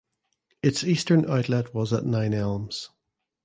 Its eastern outlet was at Nine Elms.